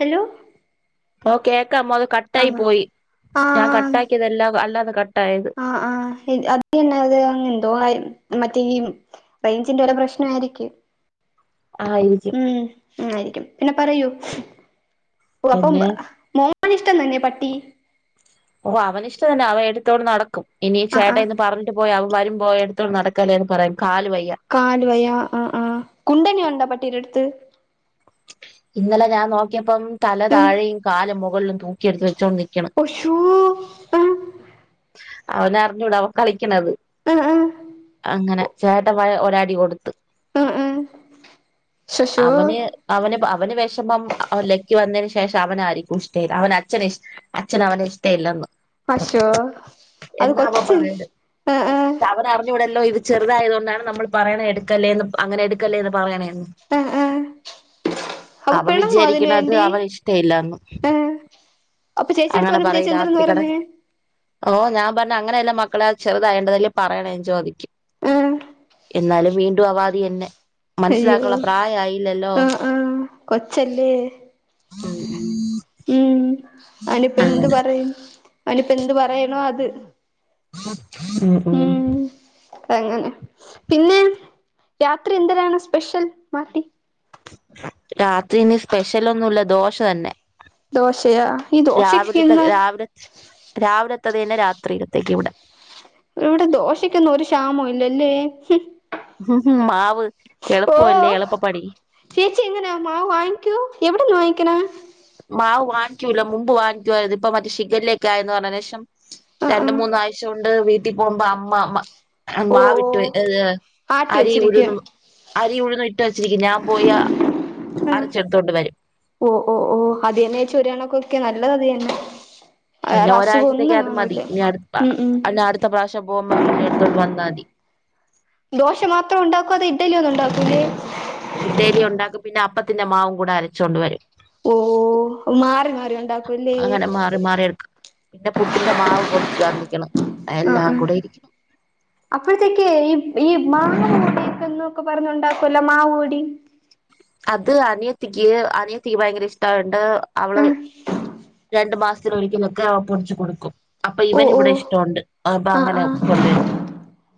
Hello ഓ കേക്കാമ്മോ അത് കട്ടായി പോയി ആആ ഞാൻ കട്ടാക്കിയതെല്ലാം അല്ലാതെ കട്ടായത് ആ അത് പിന്നത് ങ്ങ്എന്തോ മറ്റേ ഈ റേഞ്ചിന്റെ വല്ല പ്രശ്ന ആയിരിക്കും ആ ഇരിക്കും ആ ആയിരിക്കും പിന്നെ പറയൂ ഓ ഏഹ് പിന്നെ നമ്മളിഷ്ടം തന്നെ പട്ടി ഓ അവൻഷ്ടല്ല അവൻ എടുത്തോട് നടക്കും ഇനി ആഹ് ചേട്ട ആഹ് എന്ന് പറഞ്ഞിട്ട് പോയി അവ വരുമ്പോ എടുത്തോണ്ട് നടക്കല്ലേന്ന് പറയ കാലുവയാ ആഹ് ആഹ് കുണ്ടനിയൊണ്ടാ പട്ടീടെടുത്ത് ഇന്നലെ ഞാൻ നോക്കിയപ്പം തല താഴെയും കാലും മുകളിലും തൂക്കിയെടുത്ത് വ അഷോം ആഹ് അവനറിഞ്ഞു അവൻ കളിക്കണത് ആഹ് ആഹ് അങ്ങനെ ചേട്ട ഒരടി കൊടുത്ത് ആഹ് ആഹ് ശശോ അവന് അവന് ഷം അവ ലക്കി വന്നതിന് ശേഷം അവനായിരിക്കും ഇഷ്ടയില്ല അവൻ അച്ഛൻ ഇഷ അച്ഛൻ അവനെ ഇഷ്ടയില്ലെന്ന് അശോ അത് എന്നാപ്പ അവൻ കൊച്ചല്ലേ പറയുന്നേ ആഹ് ആഹ് അവനറിഞ്ഞുട ല്ലോ ഇത് ചെറുതായതു കൊണ്ടാണ് നമ്മൾ പറയുന്നത് എടുക്കല്ലേന്ന് അങ്ങന എടുക്കല്ലേന്ന് പറയണ ഉം ആഹ് ആഹ് അപ്പൊ അവൻ പിണങ്ങോ അതിന് വിചാരിക്കണത് വേണ്ടി അവൻ ഇഷ്ടയില്ലാന്ന് ആഹ് അപ്പൊ ചേച്ചി എടുത്ത് അങ്ങനെ പറഞ്ഞപ്പോ പറയു ചേച്ചി എന്തരെന്ന് രാത്രി കട പറഞ്ഞേ ഓ ഞാൻ പറഞ്ഞ അങ്ങനെ അല്ലാ മക്കളെ ചെറുതായേണ്ടതിൽ പറയണേ ചോദിക്കും ആഹ് എന്നാലും വീണ്ടും അവാദി അന്നെ അയ്യോ മനസ്സിലാക്കുള്ള പ്രായായില്ലല്ലോ ആഹ് ആഹ് കൊച്ചല്ലേ ഉം അനിപ്പ എന്ത് അങ്ങനെ പറയും അവനിപ്പോ എന്ത് പറയണോ അത് ഉം ഉം എങ്ങനെ പിന്നെ രാത്രി എന്തിരാണ് സ്പെഷ്യൽ മാട്ടി രാത്രി ഇനി സ്പെഷ്യലൊന്നുല്ല ദോശ തന്നെ ദോശയാ ഈ ദോശക്ക് രാവിലത്തെ ഇന്ന് രാവിലെ രാവിലെത്തത് തന്നെ രാത്രിയിലത്തേക്ക് ഇവിടെ ഇവിടെ ദോശക്കൊന്നും ഒരു ക്ഷാമവും ഇല്ലല്ലേ ഹും ഹും മാവ് ഓ എളുപ്പവല്ലേ എളുപ്പപ്പണി ചേച്ചി എങ്ങനാ മാവ് വാങ്ങിക്കോ എവിടുന്ന് വാങ്ങിക്ക്ണ് മാവ് വാങ്ങിക്കൂല്ല മുമ്പ് വാങ്ങിക്കുവമായിരുന്നു ഇപ്പ മറ്റേ ഷിഗല്ല ഒക്കെ ആയന്ന് പറഞ്ഞേഷം ആഹ് രണ്ട് ആഹ് മൂന്നാഴ്ച്ച ണ്ട് വീട്ടിൽ പോകുമ്പോ അമ്മ അ് ഓ മാവിട്ടു ഏ ഓ ഏഹ് ആട്ടി അരി ഉരു വെച്ചിരിക്ക അരി ഉഴുന്ന് ഇട്ട് വച്ചിരിക്കും ഞാൻ പോയ ആഹ് അരച്ചെടുത്തോണ്ട് വരും ഓ ഓ ഓഹ് അത് തന്നെ ചേച്ചി ഒരു യണക്കൊക്കെ നല്ലത് അത് തന്നെ പിന്നെ വേറെ അസുഖം ഒരാഴ്ചത്തേക്ക് ഒന്നും അത് മതി കാണൂല്ല ഇനി അടു ഉം ഉം അന്ന അടുത്ത പ്രാവശ്യം പോകുമ്പ വീണ്ടും എടുത്തോണ്ട് വന്നാൽ മതി ദോശ മാത്രം ഉണ്ടാക്കൂ അതെ ഇഡലി ഒന്നും ഉണ്ടാക്കൂല്ലേ ഇസ്‌ലി ഉണ്ടാകും പിന്നെ അപ്പത്തിന്റെ മാവും കൂടെ അരച്ചോണ്ടണ്ട് വരും ഓഹ് മാറി മാറി ഉണ്ടാക്കുംല്ലേ അങ്ങനെ മാറി മാറി എടുക്കും പിന്നെ പുട്ടിന്റെ മാവ് പൊടിച്ചു തന്നിക്ക്ണ് എല്ലാം കൂടെ ഇരിക്ക്ണ് അപ്പഴത്തേക്ക് ഈ ഈ മാ ക്കന്നൊക്കെ പറഞ്ഞണ്ടാക്കലോ മാ കൂടി അത് അനിയത്തിക്ക് അനിയത്തിക്ക് ഭയങ്കര ഇഷ്ടണ്ട് ആ അവള് രണ്ട് മാസം ഒരിക്കലൊക്കെ പൊടിച്ചു കൊടുക്കും അപ്പൊ ഓ ഇവൻ ഓ ഇവിടെ ഇഷ്ടമുണ്ട്പ്പൊ ആ അങ്ങനെ ആ കൊണ്ടുവരും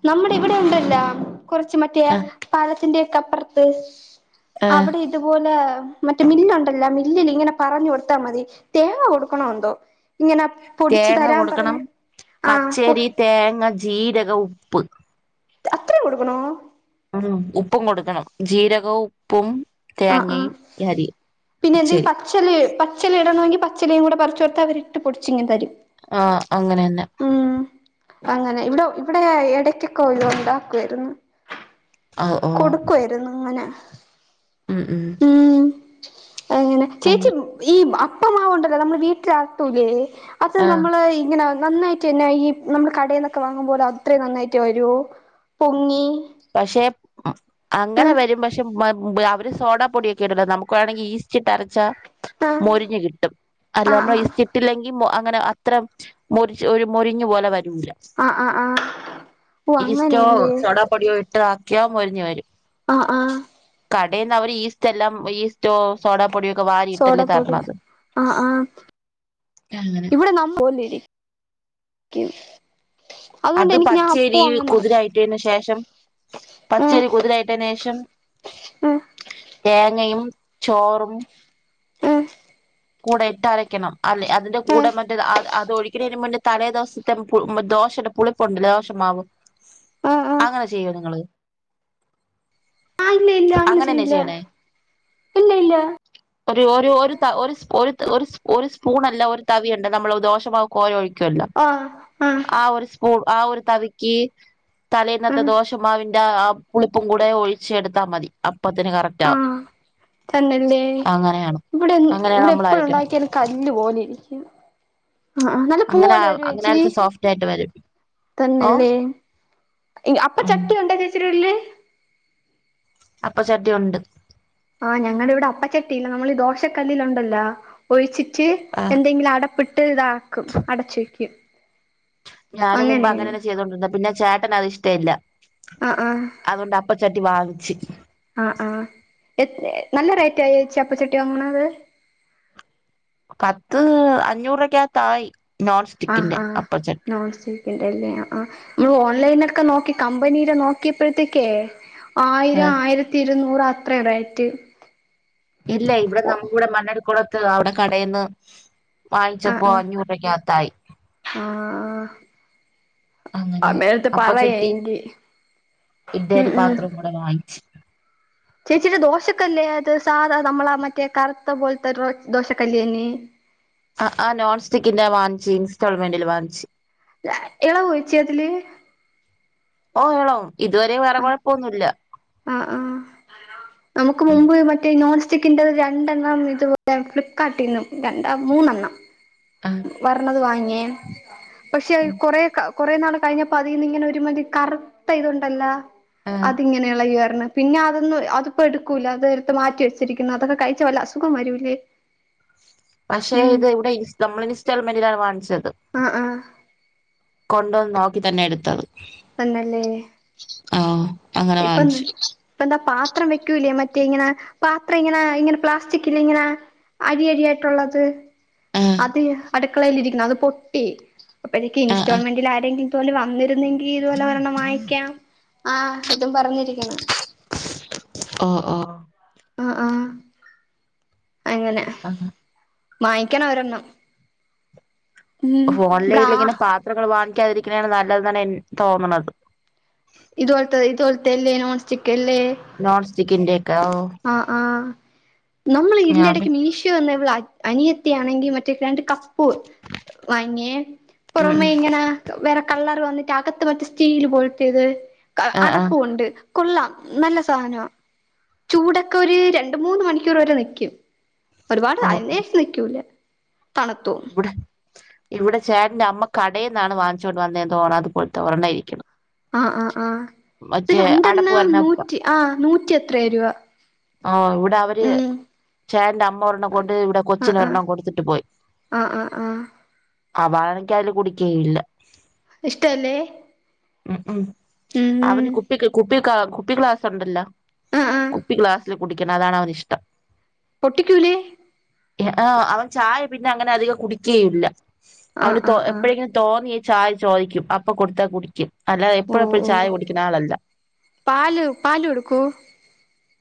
നമ്മുടെ ഇവിടെ ഉണ്ടല്ലോ കുറച്ച് മറ്റേ ആഹ് പാലത്തിന്റെ ക്കപ്പറത്ത് ആഹ് അവിടെ ഇതുപോലെ മറ്റേ മില്ലുണ്ടല്ലോ മില്ലിൽ ഇങ്ങനെ പറഞ്ഞു കൊടുത്താ മതി തേങ്ങ കൊടുക്കണന്തോ ഇങ്ങനെ പൊടിച്ചു തേങ്ങ തരാൻ കൊടുക്കണം പറഞ്ഞ് ആ പച്ചരി തേങ്ങ ജീരകം ഉപ്പ് അത്രയും കൊടുക്കണോ ആഹ് ഉപ്പും കൊടുക്കണം ജീരകവും ഉപ്പും ആഹ് ആഹ് തേങ്ങയും ഈ അരിയും പിന്നെ എന്തെങ്കും പച്ചരി പച്ചലയോ പച്ചല ഇടണമെങ്കി പച്ചിലയും കൂടെ പറച്ച് കൊടുത്താ അവരിട്ട് പൊടിച്ചിങ്ങ് തരും അങ്ങനെന്നെ ഉം അങ്ങനെ ഇവിടെ ഇവിടെ ഇടക്കക്കോയിലും ഉണ്ടാക്കുവായിരുന്നു ആഹ് ഓഹ് കൊടുക്കുവായിരുന്നു ഇങ്ങനെ ഉം ഉം ങ്ങനെ ചേച്ചി അങ്ങനെ ഈ അപ്പമാവ്ണ്ടല്ലോ നമ്മള് വീട്ടിലാട്ടൂലേ അത് ആഹ് നമ്മള് ഇങ്ങനെ നന്നായിട്ടെന്നായി നമ്മള് കടേന്നൊക്കെ വാങ്ങുമ്പോലെ അത്രയും നന്നായിട്ട് വരോ പൊങ്ങി പക്ഷെ അങ്ങനെ വരും പക്ഷെ ബ് അവര് സോഡാ പൊടിയൊക്കെ ഇടല്ലോ നമുക്ക് വേണെങ്കി ഈസ്റ്റിട്ടരച്ചാ ആഹ് മൊരിഞ്ഞ് കിട്ടും അല്ല ആഹ് ആഹ് നമ്മള് ഇസ്റ്റിട്ടില്ലെങ്കിൽ മൊ അ അങ്ങനെ അത്ര മൊരി ഒരു മൊരിഞ്ഞു പോലെ വ രൂല ആഹ് ആഹ് ആഹ് ആഹ് ഓ ഈസ്റ്റോ അങ്ങനെയല്ലേ സോഡാ ഇട്ട് ആക്കിയാ മൊരിഞ്ഞു വരും ആ ആഹ് കടേന്ന് അവര് ഈസ്റ്റെല്ലാം ഈസ്റ്റോ സോഡാ സോഡാപൊടി ആഹ് ആഹ് അങ്ങനെ ഇവിടെ നമ്മ പോലെരിക്കും അത് പച്ചരി കുതിരായിട്ടേന് ശേഷം പച്ചരി കുതിരായിട്ടേന് ശേഷം ഉം തേങ്ങയും ചോറും ഉം കൂടെ ഇട്ടരയ്ക്കണം അല്ലെ അതിന്റെ കൂടെ ആഹ് മറ്റേ അത് ഒഴിക്കണേൻ്റെ മുന്നേ തലേ ദിവസത്തെ പു ദോ ദോശന്റെ പുളിപ്പുണ്ട് ദോശമാവ് ആഹ് ആഹ് അങ്ങനെ ചെയ്യോ നിങ്ങള് ആഹ് ഇല്ല ഇല്ല അങ്ങനെ അങ്ങനെന്നെ ചെയ്യൂല ചെയ്യണേ ഇല്ല ഇല്ല ഒരു ഒരു ഒരു ത ഒരു സ് ഒരു ഒരു ഒരു സ്പൂൺ അല്ല ഒരു തവിയുണ്ട് നമ്മള് ദോശമാവ് കോരി ഒഴി ച്ചുവല്ലോ ആഹ് ആഹ് ആ ഒരു സ്പൂ ആ ഒരു തവിക്ക് തലയിന്നത്തെ ആഹ് ദോഷമാവി ൻ്റെ ആ പുളിപ്പും കൂടെ ഒഴിച്ച് എടുത്താ മതി അപ്പത്തിന് കറക്റ്റ് ആവും ആഹ് തന്നല്ലേ അങ്ങനെയാണ് ഇവിടെ അങ്ങനെയാണ് ഇവിടെ എ നമ്മൾ പ്പളും അരക്കണെ ഉണ്ടാക്കിയാലും കല്ല് പോലെയിരിക്കും അ ആഹ് നല്ല അങ്ങനെ പൂപോലെ വരോ അങ്ങനെ ചേച്ചി അരച്ച സോഫ്റ്റ് ആയിട്ട് വരും ഓ തന്നല്ലേ അപ്പ ഉം ചട്ടി ഉണ്ടായിരുന്നോ ചേച്ചിടെ വീട്ടില് അപ്പചട്ടി ഉണ്ട് ആഹ് ഞങ്ങടിവിടെ അപ്പച്ചട്ടിയില്ല നമ്മള് ഈ ദോശക്കല്ലിലുണ്ടല്ലോ ഒഴിച്ചി- ഒഴിച്ച് ആ എന്തെങ്കിലും അടപ്പിട്ട് ഇതാക്കും അടച്ച് വെക്കും ഞാനും മുമ്പ് അങ്ങനെയാണ് അങ്ങനെന്നെ ചെയ്തോണ്ടിരന്ന പിന്നെ ചേട്ടന് അത് ഇഷ്ടല്ല ആ ആ അതുകൊണ്ട് അപ്പ ചട്ടി വാങ്ങിച്ച് ആ ആ നല്ല റേറ്റ് ആയോ ചേച്ചി അപ്പച്ചട്ടി വാങ്ങണത് പത്ത് അഞ്ഞൂറ് രൂപയ്ക്കകത്ത് ആയി നോൺസ്റ്റിക്കിന്റെ അപ്പച്ചട്ടി ല്ലേ ആഹ് ഈ ഓൺലൈൻ ഒക്കെ നോക്കി കമ്പനിടെ നോക്കിയപ്പോഴത്തേക്കേ- ആ ആയിരം ആയിരത്തി ഇരുന്നൂറ് അത്രേം റേറ്റ് ഇല്ല ഇവിടെ ഓ നമുക്ക് ഇവിടെ മണ്ണടിക്കുളത്ത് അവിടെ കടെന്ന് ആഹ് വാങ്ങിച്ചപ്പോ ആഹ് അഞ്ഞൂറ് രൂപക്കകത്തായി ആഹ് അങ്ങനെ അമ്മേടുത്ത് പറയ് അപ്പച്ചട്ടി ഏങ്കി- ഇഡ്ഡലി പാത്രം കൂടെ വാങ്ങിച്ച് ചേച്ചിടെ ദോശക്കല്ല് ഏത് സാധാ നമ്മളാ മറ്റേ കറുത്ത പോലത്തെ ദോശക്കല്ല് തന്നേ ആ ആ നോൺ സ്റ്റിക്കിന്റെ വാങ്ങിച്ച് ഇൻസ്റ്റാൾമെന്റിൽ വാങ്ങിച്ച് ഇളവുവോ ചേച്ചി അതില് ഓ ഇളവും ആഹ് ആഹ് ആഹ് നമുക്ക് മുമ്പ് മറ്റേ നോൺ സ്റ്റിക്കിന്റത് രണ്ടെണ്ണം ഇതുപോലെ ഫ്ലിപ്പ്കാർട്ടിൽ ന്ന് രണ്ട മൂന്നെണ്ണം ആഹ് വർണത് വാങ്ങിയേ പക്ഷെ കൊറേ ക്ക കുറേ നാള് കഴിഞ്ഞപ്പോ അതീന്ന് ഇങ്ങനെ ഒരുമാതിരി കറുത്ത ഇത് ഒണ്ടല്ലോ ആഹ് അതിങ്ങനെ ഇളകി വർ പിന്നെ അതൊന്നും അതിപ്പോ എടുക്കൂല അത് എടുത്ത് മാറ്റി വെച്ചിരിക്കുന്ന് അതൊക്കെ കഴിച്ചാ വല്ല അസുഖം വരൂല്ലേ പക്ഷേ ഇത് ഇവിടെ നമ്മൾ ഇൻസ്റ്റാൾമെന്റിലാണ് വാങ്ങിച്ചത് ആഹ് ആഹ് കൊണ്ടുവന്ന് നോക്കി തന്നെ എടുത്തത് തന്നല്ലേ ആ ഇപ്പം ഇപ്പ എന്താ പാത്രം വെക്കൂല്ലേ മ റ്റേ ഇങ്ങനെ പാത്രം ഇങ്ങനെ ഇങ്ങനെ പ്ലാസ്റ്റിക്കിൽ ഇങ്ങനെ അഴി അഴി ആയിട്ടുള്ളത് ആഹ് അത് അടുക്കളേൽ ഇരിക്കണ് അത് പൊട്ടി അപ്പോ എനിക്ക് ആഹ് ആഹ് ഇൻസ്റ്റാൾമെന്റിൽ ആരെങ്കിലും തോൽ വന്നിരുന്നെങ്കി ഇതുപോലെ ഒരെണ്ണം വായിക്കാം ആഹ് ഇതും പറഞ്ഞിരിക്കണ് ഓഹ് ഓഹ് ആ ആ അങ്ങനെ ആഹ് വാങ്ങിക്കണം ഒരെണ്ണം ഉം ഇബ്ടാ ഓൺലൈനിൽ ഇങ്ങനെ പാത്രങ്ങൾ വാങ്ങിക്കാതിരിക്കണയാണ് നല്ലതെന്നാണ് എ തോന്നണന്നത് ഇതുപോലെത്തെ ഇതുപോലെത്തെ അല്ലേ നോൺസ്റ്റിക് അല്ലേ നോൺ സ്റ്റിക്കിന്റെ ഒക്കെ ഓ ആഹ് ആഹ് നമ്മള് ഇതിന്റെ ഞാൻ പി ഇടയ്ക്ക് മശോ വന്ന് ഇവൾ അനിയത്തിയാണെങ്കി മറ്റേ രണ്ട് കപ്പ് വങ്ങിയേ ഉം ഉം പുറമേ ഇങ്ങനെ വേറേ കള്ളർ വ ന്നി മറ്റേ അകത്ത് മറ്റേ സ്റ്റീൽ പോലത്തെ ഇത് ആഹ് ആഹ് അടപ്പും ഒണ്ട് കൊള്ളാം നല്ല സാധനവാ ചൂടൊക്കെ ഒരു രണ്ട് മൂന്ന് മണിക്കൂർ വരെ നിക്കും ഒരുപാട് ഓ അതിന്ശേഷം നിക്കൂല തണുത്തും ഇവിടെ ഇവിടെ ചേട്ടന്റെ അമ്മ കടയിൽന്നാണ് വാങ്ങിച്ചുകൊണ്ട് വന്നേന്ന് തോന്നണ് അത് പോലത്തെ ഒരെണ്ണം ഇരിക്കണ് ആഹ് ആഹ് ആഹ് ഇത് മറ്റേ അടപ്പ് രണ്ടെണ്ണം വരണ നൂറ്റി ആഹ് നൂറ്റി എത്രയോ രൂപ ആ ഇവിടെ അവര് ഉം ചേട്ടന്റെ അമ്മ ഒരെണ്ണംകൊണ്ട് ഇവിടെ കൊച്ചിന് ഒരെണ്ണം കൊടുത്തിട്ട് പോയി ആ ആ അവനക്ക് അതില് കുടിക്കുകയും ഇല്ല ഇഷ്ടം അല്ലേ ഉം ഉം അവന് കുപ്പിക്ക് കുപ്പി കാ കുപ്പി ഗ്ലാസ്സ് ഉണ്ടല്ലോ ആഹ് ആഹ് കുപ്പി ഗ്ലാസ്സില് കുടിക്കണം അതാണ് അവന് ഇഷ്ടം പൊട്ടിക്കൂലേ ആ അവൻ ചായ പിന്നെ അങ്ങനെ അധികം കുടിക്കുകയും ഇല്ല അവന് ആഹ് തോ ആഹ് ആഹ് എപ്പോഴെങ്കിലും തോന്നിയ ചായ ചോദിക്കും അപ്പോ കൊടുത്താ കുടിക്കും അല്ലാതെ എപ്പഴും ഓഹ് എപ്പഴും ചായ ഓഹ് കുടിക്കണ ആളല്ല പാല് പാല് കൊടുക്കോ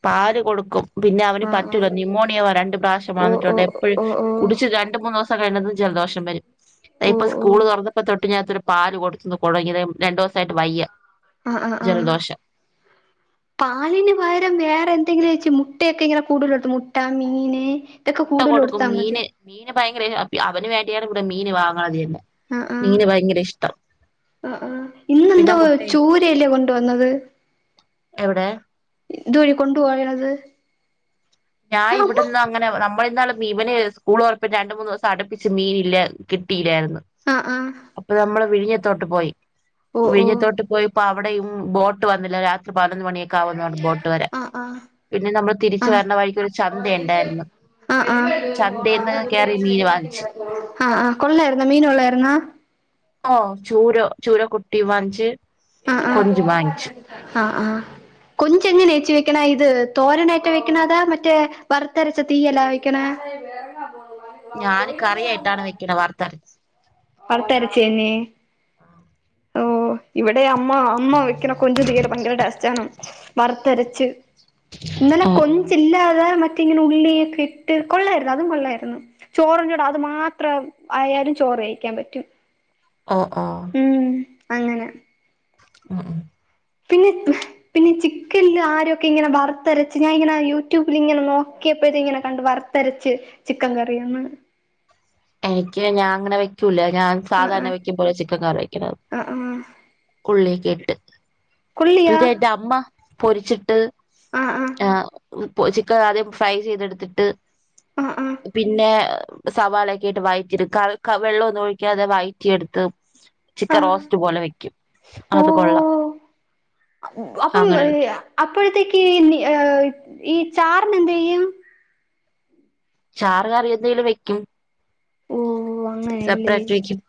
പാല് കൊടുക്കും പിന്നെ അവന് ആഹ് പറ്റൂല ആഹ് ന്യമോണിയ രണ്ട് പ്രാവശ്യം ഓഹ് വന്നിട്ടുണ്ട് ഓഹ് എപ്പോഴും ഓഹ് ഓഹ് കുടിച്ച് രണ്ട് മൂന്നോസം കഴിഞ്ഞതും ജലദോഷം വരും ഇപ്പൊ ഓഹ് സ്കൂൾ ഓഹ് തുറന്നപ്പോ തൊട്ട് ഞാൻ ത്രിപ്ത പാല് കൊട്ത്ത് കൊഴങ്ങിയത് രണ്ടോസായിട്ട് വയ്യ ആ ആ ആ ജലദോഷം പാലിന് വകരം വേറെന്തെ ങ്കിലും വെച്ച് മുട്ടയൊക്കെ ഇങ്ങനെ കൂടൂലെട്ത്ത് മുട്ട മീന് ഇതൊക്കെ മുട്ട കൂടുതൽ കൊടുക്കും കൊടുത്താ മതി മീന് മീന് ഭയങ്കര അവന് വേണ്ടിയാണ് ഇവിടെ മീന് വാങ്ങണത് തന്നെ മീന് ഭയങ്കര ഇഷ്ടാ ആ ആ ഇന്നെന്തോ ചൂരയല്ലേ കൊണ്ടുവന്നത് എവിടെ ഇത് വഴി കൊണ്ടു പോയത് ഞാൻ ഇവിടെന്ന് അങ്ങനെ നമ്മളിന്നാള് ഇവനെ സ്കൂളൊർപ്പിച്ച് രണ്ട് മൂന്നോസം അട്പ്പിച്ച് മീനില്ല കിട്ടിയില്ലായിരുന്നു ആഹ് ആഹ് അപ്പൊ നമ്മള് വിഴിഞ്ഞത്തോട്ട് പോയി ഓഹ് ഓഹ് വിഴിഞ്ഞത്തോട്ട് പോയി അപ്പൊ അവിടെയും ബോട്ട് വന്നില്ല രാത് പതിനൊന്ന് മണിയൊക്കെ ആവുന്നർഞ്ഞ് ബോട്ട് വരാൻ ആഹ് ആഹ് പിന്നെ നമ്മൾ തിരിച്ച് വരണ വഴിക്ക് ഒരു ചന്ത ഉണ്ടായിരുന്നു അ ചന്തേന്ന് ആഹ് കേറി മീന് വാങ്ങിച്ച് അ ആഹ് കൊള്ളായിരുന്നോ മീന് കൊള്ളായിരുന്നോ ഓ ചൂര ചൂര കുട്ടി വാൻച് അ ആ അ ആ കൊഞ്ച് എങ്ങനേച്ചി വെക്കണ ഇത് തോരനായിറ്റ വെക്കണ അതാ മറ്റേ വറുത്തരച്ച തീയല്ലാ വെക്കണ ഏ വേറെങ്ങാ പോണു ഞാന് കറിയായിട്ടാണ് വെക്കണ വറത്തരച്ച് വറത്തരച്ചെന്നേ ആ ഓ ഇവിടെ അമ്മ അമ്മ വെക്ക്ണ കൊഞ്ച് തീരെ ഭയങ്കര ടേസ്റ്റാണ് വറത്തരച്ച് ഇന്നലെ ഓ ഓ കൊഞ്ചില്ലാതെ മ മറ്റെ ഇങ്ങനെ ഉള്ളിയൊക്കെ ഇട്ട് കൊള്ളായിരുന്നു അതും കൊള്ളായിരുന്നു ചോറിന്റെ കൂട അത് മാത്രം ആയാലും ചോറ് കഴി ക്കാൻ പറ്റും. അ ആ ഉം അങ്ങനെ ഉം ഉ പിന്നെ പിന്നെ ചിക്ക് ഇല്ല ആരൊക്കെ ഇങ്ങനെ വറുത്തരച്ച് ഞാൻ ഇങ്ങനെ യൂട്യൂബിൽ ഇങ്ങനെ നോക്കിയപ്പോ ഇത് ഇങ്ങനെ കണ്ട് വറുത്തരച്ച് ചിക്കൻ കറിയൊന്ന് എനിക്ക് ഞാൻ അങ്ങനെ വെക്കൂല്യ ഞാൻ ആ സാധാരണ വെക്കുമ്പോലെ ചിക്കൻ കറി വെക്കണത്. ആ ആ ആ ഉള്ളിയൊക്കെ ഇട്ട് കൊള്ളിയാ പിന്നെ എന്റെ അമ്മ പൊരിച്ചിട്ട് ആ ചിക്കൻ ആദ്യം ഫ്രൈ ചെയ്തെടുത്തിട്ട് ആ ആ പിന്നെ സവാള യിട്ട് വഴറ്റിട് ക ക വെള്ളൊന്നും ഒഴിക്കാതെ വഴറ്റി എടുത്ത് ആ ചിക്കൻ റോസ്റ്റ് പോലെ വെക്കും ഓ അത് കൊള്ളാം ഓ അപ്പം അങ്ങനെ വെക്കും അപ്പോഴത്തേക്ക് ഏ ഈ ചാറിന് എന്ത് ചെയ്യും ചാറ് കറിയന്തെങ്കിലും വെക്കും ഓ അങ്ങനെയല്ലേ സെപ്പറേറ്റ് വെക്കും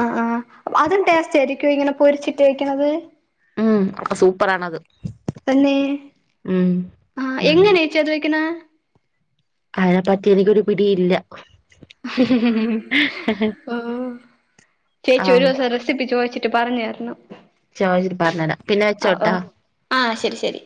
ആ ആ അതും ടേസ്റ്റ് ആയിരിക്കും ഇങ്ങനെ പൊരിച്ചിട്ടേക്കണത് ഉം അപ്പ സൂപ്പറാണത് തന്നെ ഉം ആ ആണ്. എങ്ങനേച്ചി അത് വെക്കണെ അതിനെപ്പറ്റി എനിക്കൊരു പിടിയില്ല ഓ ചേച്ചി ഒരു ആഹ് ദിവസം റെസിപ്പി ചോദിച്ചിട്ട് ് പറഞ്ഞരണം ച പറഞ്ഞരാ പിന്നെ വെച്ചോട്ടാ ആഹ് ശരി ശരി